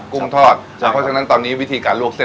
กุ้งทอดเพราะฉะนั้นตอนนี้วิธีการลวกเส้น